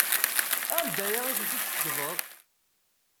Anda ay ten-tessagdeḍ?